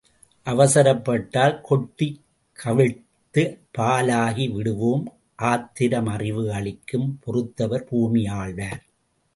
அவசரப்பட்டால் கொட்டிக் கவிழ்த்த பாலாகி விடுவோம் ஆத்திரம் அறிவு அழிக்கும் பொறுத்தவர் பூமி ஆள்வார்.